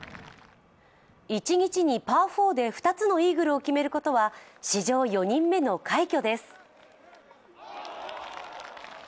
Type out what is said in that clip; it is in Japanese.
一日にパー４で２つのイーグルを決めることは史上４人目の快挙です。